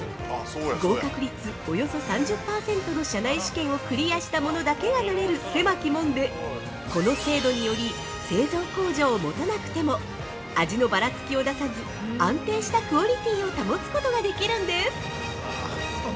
合格率およそ３０％の社内試験をクリアしたものだけがなれる狭き門でこの制度により製造工場を持たなくても、味のバラつきを出さず、安定したクオリティーを保つことができるんです。